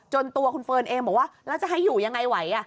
ตัวคุณเฟิร์นเองบอกว่าแล้วจะให้อยู่ยังไงไหว